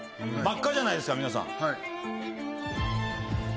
真っ赤じゃないですか皆さん。